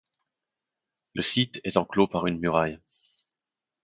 Le site est enclos par une muraille.